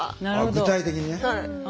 具体的にね。